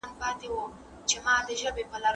تاسي په خپلو ملګرو کي ډېر نېک یاست.